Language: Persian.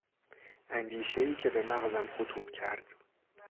اندیشهای که به مغزم خطور کرد...